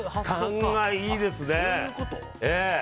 勘がいいですね。